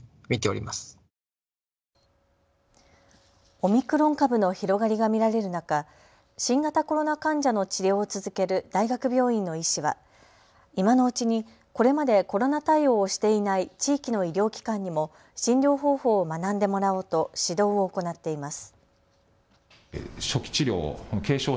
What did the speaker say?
オミクロン株の広がりが見られる中、新型コロナ患者の治療を続ける大学病院の医師は今のうちに、これまでコロナ対応をしていない地域の医療機関にも診療方法を学んでもらおうと指導を行っています。